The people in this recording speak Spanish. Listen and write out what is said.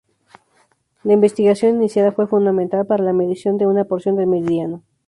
La investigación iniciada fue fundamental para la medición de una porción del meridiano.